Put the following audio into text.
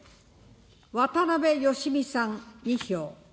渡辺喜美さん２票。